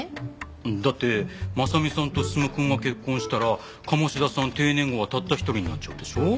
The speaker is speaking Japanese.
だって真実さんと進くんが結婚したら鴨志田さん定年後はたった１人になっちゃうでしょ。